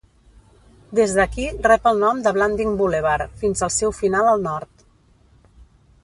Des d'aquí rep el nom de Blanding Boulevard fins al seu final al nord.